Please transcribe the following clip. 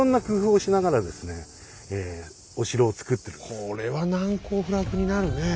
だからこれは難攻不落になるね。